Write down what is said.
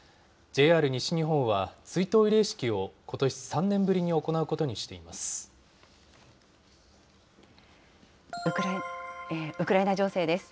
ＪＲ西日本は追悼慰霊式をことし３年ぶりに行うことにしています。